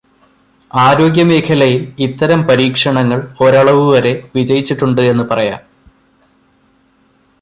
ആരോഗ്യമേഖലയിൽ ഇത്തരം പരീക്ഷണങ്ങൾ ഒരളവുവരെ വിജയിച്ചിട്ടുണ്ട് എന്നുപറയാം.